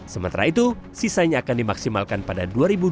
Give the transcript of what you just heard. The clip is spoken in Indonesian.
sementara itu sisanya akan dimaksimalkan pada dua ribu dua puluh